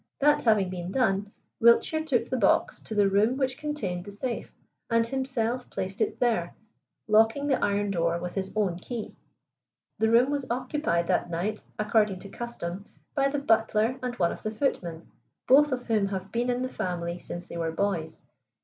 That having been done, Wiltshire took the box to the room which contained the safe, and himself placed it there, locking the iron door with his own key. The room was occupied that night, according to custom, by the butler and one of the footmen, both of whom have been in the family since they were boys.